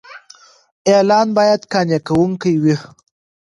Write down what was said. اعلان باید قانع کوونکی وي.